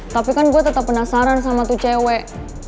tapi kan gue tetap penasaran sama tuh cewek